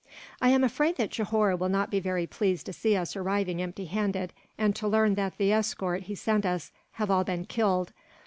"I am afraid that Johore will not be very pleased to see us arriving empty handed, and to learn that the escort he sent us have all been killed.